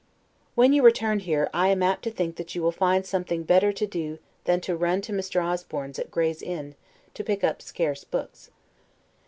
When you return here, I am apt to think that you will find something better to do than to run to Mr. Osborne's at Gray's Inn, to pick up scarce books.